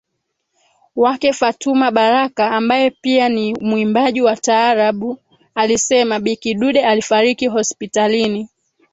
wake Fatuma Baraka ambaye pia ni muimbaji wa Taraabu Alisema Bi Kidude alifariki hospitalini